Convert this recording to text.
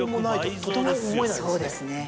そうですね。